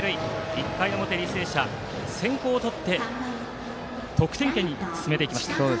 １回表、履正社が先行をとって得点圏に進めていきました。